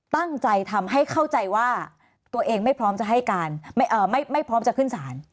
ตั้งใจทำให้เข้าใจว่าตัวเองไม่พร้อมจะให้การไม่พร้อมจะขึ้นศาล